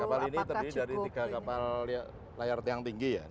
kapal ini terdiri dari tiga kapal layar tiang tinggi ya